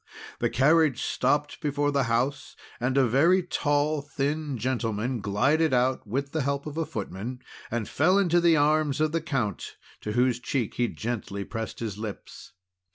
The carriage stopped before the house, and a very tall, thin gentleman glided out with the help of a footman, and fell into the arms of the Count, to whose cheek he gently pressed his lips.